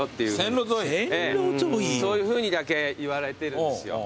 そういうふうにだけ言われてるんですよ。